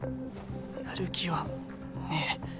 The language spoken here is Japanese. やる気はねえ。